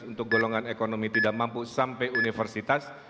untuk golongan ekonomi tidak mampu sampai universitas